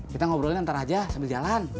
kita ngobrolin ntar aja sambil jalan